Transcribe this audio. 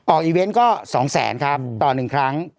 ออกอีเวนต์ก็๒๐๐๐๐๐ครับต่อ๑ครั้ง